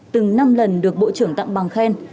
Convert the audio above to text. từng năm lần được bộ trưởng tặng bằng khen